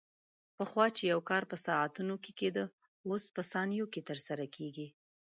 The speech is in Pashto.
پخوا چې یو کار په ساعتونو کې کېده، اوس په ثانیو کې ترسره کېږي.